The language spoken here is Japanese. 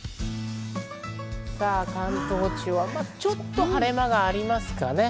関東地方はちょっと晴れ間がありますかね。